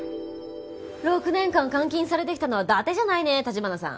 ６年間監禁されてきたのは伊達じゃないね城華さん。